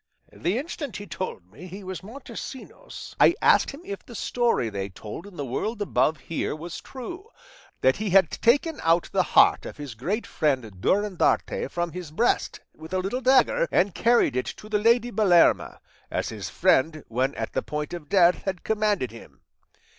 "The instant he told me he was Montesinos, I asked him if the story they told in the world above here was true, that he had taken out the heart of his great friend Durandarte from his breast with a little dagger, and carried it to the lady Belerma, as his friend when at the point of death had commanded him.